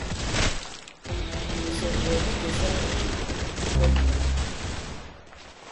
Ìsɔ̀ŋgɔ̀ di kèsa ikè i pɛ̄n ŋgǎn.